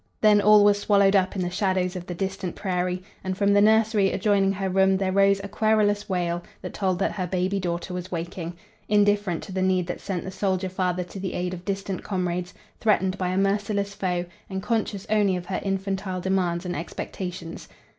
Then all was swallowed up in the shadows of the distant prairie, and from the nursery adjoining her room there rose a querulous wail that told that her baby daughter was waking, indifferent to the need that sent the soldier father to the aid of distant comrades, threatened by a merciless foe, and conscious only of her infantile demands and expectations.